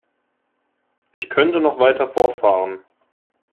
Ich könnte noch weiter fortfahren.